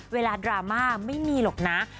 ดราม่าไม่มีหรอกนะ